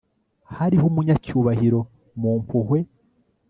hariho umunyacyubahiro mu mpuhwe